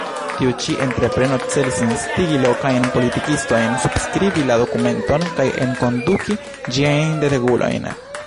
Tiu ĉi entrepreno celis instigi lokajn politikistojn subskribi la dokumenton kaj enkonduki ĝiajn regulojn.